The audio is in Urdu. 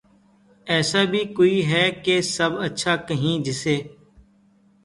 ایسا بھی کوئی ھے کہ سب اچھا کہیں جسے